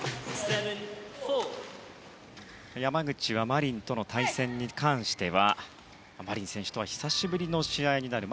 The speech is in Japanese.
山口はマリンとの対戦に関してはマリン選手とは久しぶりの試合になる。